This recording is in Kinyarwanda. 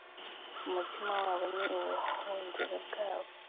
Umutima wabo ni ubuhungiro bwabo